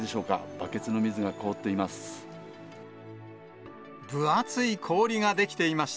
バケツの水が凍っています。